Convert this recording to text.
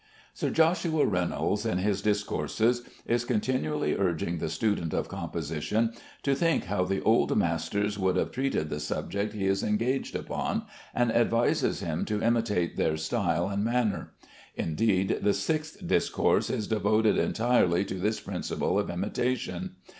Sir J. Reynolds, in his discourses, is continually urging the student of composition to think how the old masters would have treated the subject he is engaged upon, and advises him to imitate their style and manner. Indeed, the sixth discourse is devoted entirely to this principle of imitation.